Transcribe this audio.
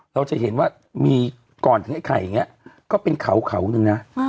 เราจะเห็นว่ามีก่อนถึงไอ้ไข่อย่างนี้ก็เป็นเขาหนึ่งนะ